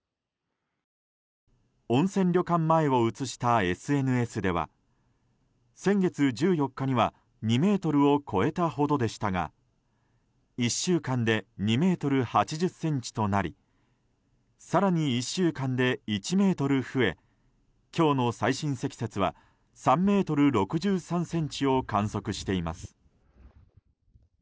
温泉旅館前を写したＳＮＳでは先月１４日には２ｍを超えたほどでしたが１週間で２ｍ８０ｃｍとなり更に１週間で１ｍ増え今日の最深積雪は３ｍ６３ｃｍを観測しています。